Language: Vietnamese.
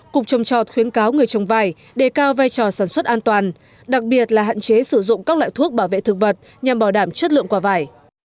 cụ thể sản lượng vải là hạn chế sử dụng các loại thuốc bảo vệ thực vật nhằm bảo đảm chất lượng quả vải